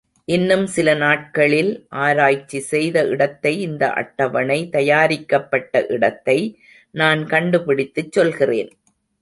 இன்னும் சில நாட்களில், ஆராய்ச்சி செய்த இடத்தை இந்த அட்டவணை தயாரிக்கப்பட்ட இடத்தை நான் கண்டு பிடித்துச் சொல்கிறேன்.